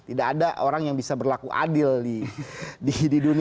tidak ada orang yang bisa berlaku adil di dunia